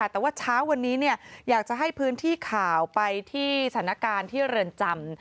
แต่ว่าเช้าวันนี้อยากจะให้พื้นที่ข่าวไปที่สถานการณ์ที่เรือนจำ